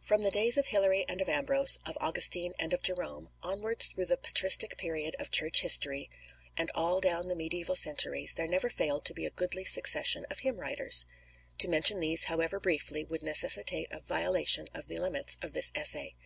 From the days of Hilary and of Ambrose, of Augustine and of Jerome, onwards through the patristic period of Church history, and all down the medieval centuries, there never failed to be a goodly succession of hymn writers. To mention these, however briefly, would necessitate a violation of the limits of this essay.